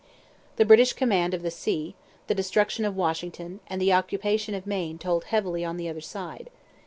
The British command of the sea, the destruction of Washington, and the occupation of Maine told heavily on the other side.